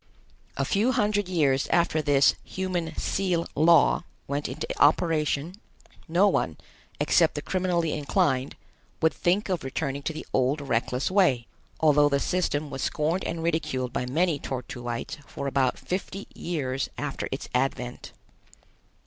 A few hundred years after this "Human Seal Law" went into operation, no one, except the criminally inclined, would think of returning to the old reckless way, although the system was scorned and ridiculed by many Tor tuites for about fifty years after its advent.